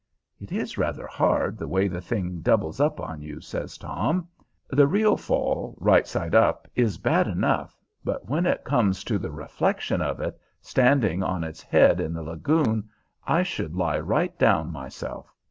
"It is rather hard, the way the thing doubles up on you," says Tom. "The real fall, right side up, is bad enough; but when it comes to the reflection of it, standing on its head in the lagoon, I should lie right down myself.